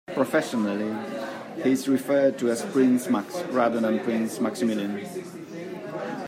Professionally, he is referred to as Prince Max, rather than Prince Maximilian.